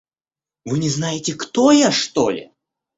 Вы не знаете, кто я, что ли?